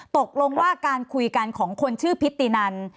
ตกลงว่าการคุยกันของคนชื่อพิธีนัน